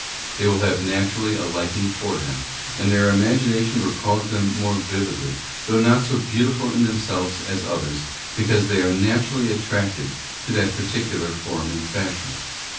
They will have naturally a liking for them, and their imagination recalls them more vividly, though not so beautiful in themselves as others, because they are naturally attracted to that particular form and fashion.